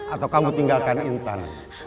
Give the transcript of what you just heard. atau kamu tinggalkan intan